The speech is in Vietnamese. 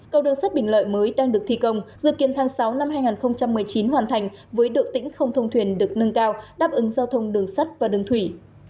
cầu đường sắt bình lợi mới đang được thi công dự kiến tháng sáu năm hai nghìn một mươi chín hoàn thành với độ tĩnh không thông thuyền được nâng cao đáp ứng giao thông đường sắt và đường thủy